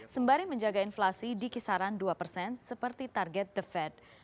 sembari menjaga inflasi di kisaran dua persen seperti target the fed